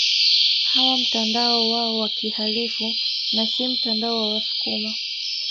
Hawa mtandao wao wa kihalifu na si mtandao wa wasukuma